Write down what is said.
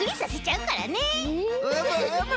うむうむ。